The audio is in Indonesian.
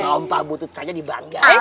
nompa butut saja dibanggain